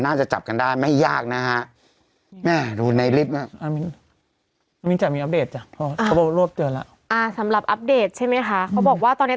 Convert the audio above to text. น่าจะจับกันได้ไม่ยากนะฮะดูในริฟน่ะมิงจำมี